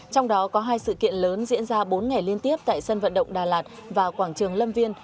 trong đó có hai sự kiện lớn diễn ra bốn ngày liên tiếp tại sân vận động đà lạt và quảng trường lâm viên